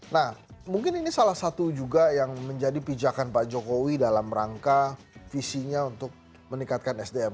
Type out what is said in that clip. nah mungkin ini salah satu juga yang menjadi pijakan pak jokowi dalam rangka visinya untuk meningkatkan sdm